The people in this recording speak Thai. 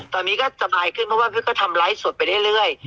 ตอนนี้ก็สบายขึ้นเพราะว่าพี่ก็ทำไลฟ์สดไปเรื่อย